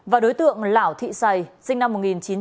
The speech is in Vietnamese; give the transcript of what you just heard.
và đối tượng lảo thị xày sinh năm một nghìn chín trăm tám mươi tám